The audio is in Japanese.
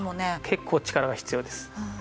結構力が必要です。